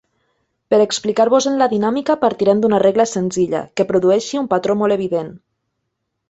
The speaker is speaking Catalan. Per explicar-vos-en la dinàmica partirem d'una regla senzilla, que produeixi un patró molt evident.